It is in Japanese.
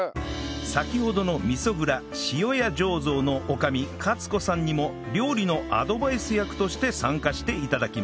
先ほどの味噌蔵塩屋醸造の女将かつ子さんにも料理のアドバイス役として参加して頂きます